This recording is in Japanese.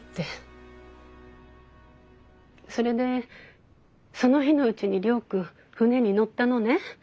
それでその日のうちに亮君船に乗ったのね。